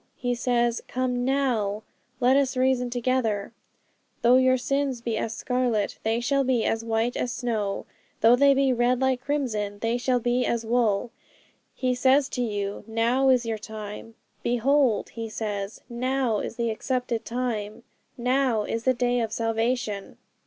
He says, "Come now, let us reason together; though your sins be as scarlet, they shall be as white as snow; though they be red like crimson, they shall be as wool." He says to you, "Now is your time." "Behold," He says, "now is the accepted time, now is the day of salvation."